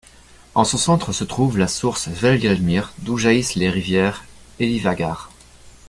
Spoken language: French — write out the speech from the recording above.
En son centre se trouve la source Hvergelmir, d'où jaillissent les rivières Élivágar.